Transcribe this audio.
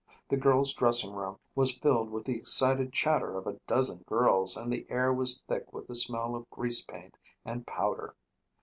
The girl's dressing room was filled with the excited chatter of a dozen girls and the air was thick with the smell of grease paint and powder.